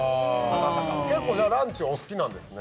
結構ランチ、お好きなんですね。